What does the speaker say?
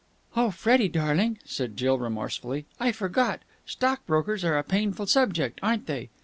"Oh, Freddie, darling!" said Jill remorsefully. "I forgot! Stockbrokers are a painful subject, aren't they!"